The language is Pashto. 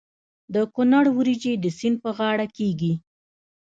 د کونړ وریجې د سیند په غاړه کیږي.